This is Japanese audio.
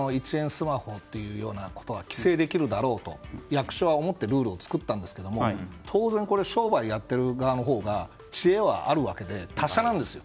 スマホというようなことは規制できるだろうと役所は思ってルールを作ったんですが当然商売をやっている側のほうが知恵はあるわけで達者なんですよ。